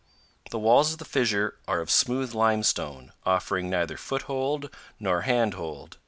The walls of the fissure are of smooth limestone, offering neither foothold nor handhold.